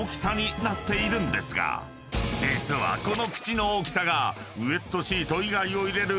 ［実はこの口の大きさがウェットシート以外を入れる］